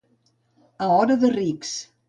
A hora de rics.